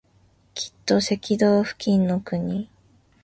きっと赤道付近の国